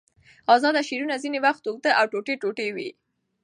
آزاد شعر ځینې وختونه اوږد او ټوټې ټوټې وي.